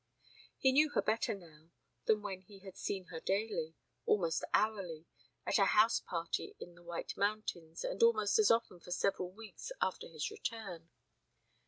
He knew her better now than when he had seen her daily, almost hourly, at a house party in the White Mountains, and almost as often for several weeks after his return.